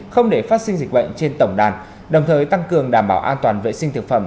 không để phát sinh dịch bệnh trên tổng đàn đồng thời tăng cường đảm bảo an toàn vệ sinh thực phẩm